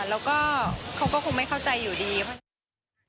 แล้วก็เขาก็คงไม่เข้าใจอยู่ดี